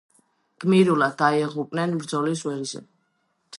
გმირულად დაიღუპნენ ბრძოლის ველზე.